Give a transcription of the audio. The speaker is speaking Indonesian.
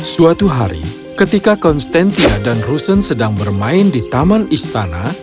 suatu hari ketika konstantia dan rusen sedang bermain di taman istana